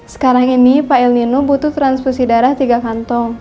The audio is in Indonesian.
sekarang ini pak el nino butuh transfusi darah tiga kantong